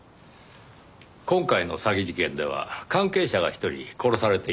今回の詐欺事件では関係者が１人殺されています。